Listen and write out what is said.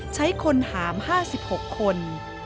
ใช้คนหาม๕๖คน